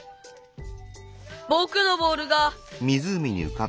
ぼくのボールが！